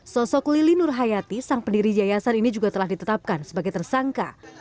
sosok lili nur hayati sang pendiri jayasan ini juga telah ditetapkan sebagai tersangka